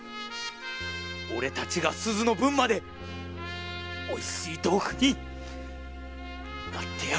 俺たちがすずの分までおいしい豆腐になってやるんだ。